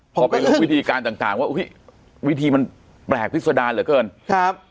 พอไปรู้วิธีการต่างต่างว่าอุ้ยวิธีมันแปลกพิษดารเหลือเกินครับ